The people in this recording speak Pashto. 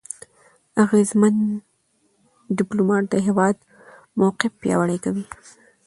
اغېزمن ډيپلوماټ د هېواد موقف پیاوړی کوي.